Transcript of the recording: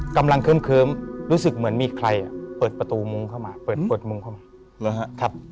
กำลังเคิมรู้สึกเหมือนมีใครอ่ะเปิดประตูมุงเข้ามาเปิดมุงเข้ามา